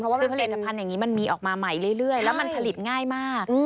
เพราะว่าผลิตภัณฑ์อย่างนี้มันมีออกมาใหม่เรื่อยแล้วมันผลิตง่ายมาก